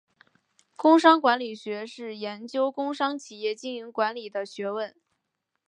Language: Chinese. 工商管理学是研究工商企业经营管理的学问。